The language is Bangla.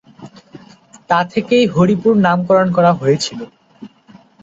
তা থেকেই হরিপুর নামকরণ করা হয়েছিল।